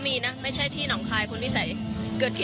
มันอาจจะเป็นแก๊สธรรมชาติค่ะ